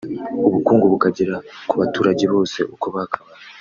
ubukungu bukagera ku baturage bose uko bakabaye